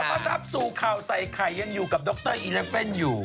คนมารับสูคราวใส่ไข่ยังอยู่กับดรอิเลฟเฟ่นอยู่